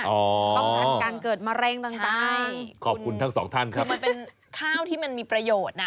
ป้องกันการเกิดมะเร็งต่างขอบคุณทั้งสองท่านครับมันเป็นข้าวที่มันมีประโยชน์นะ